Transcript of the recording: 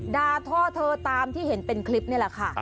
ท่อเธอตามที่เห็นเป็นคลิปนี่แหละค่ะ